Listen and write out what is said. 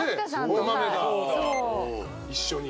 一緒に。